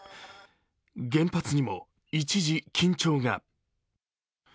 原発にも一時、緊張が。